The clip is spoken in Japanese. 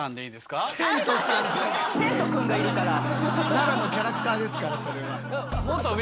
奈良のキャラクターですからそれは。